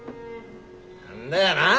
何だよなあ！